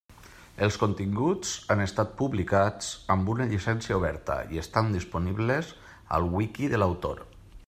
Els continguts han estat publicats amb una llicència oberta i estan disponibles al wiki de l'autor.